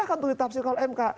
untuk ditafsirkan oleh mk